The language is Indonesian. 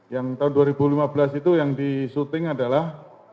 yang tahun dua ribu lima belas itu yang disuting adalah